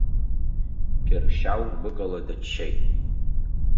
Кьыршьал гәыкала дыччеит.